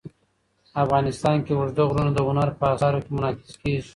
افغانستان کې اوږده غرونه د هنر په اثار کې منعکس کېږي.